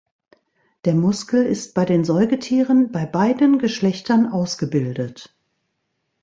Der Muskel ist bei den Säugetieren bei beiden Geschlechtern ausgebildet.